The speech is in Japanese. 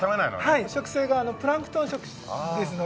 はい食性がプランクトン食ですので。